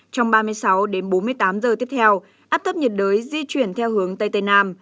trong ba mươi sáu đến bốn mươi tám giờ tiếp theo áp thấp nhiệt đới di chuyển theo hướng tây tây nam